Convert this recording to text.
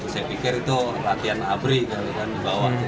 saya pikir itu latihan abri kalian dibawa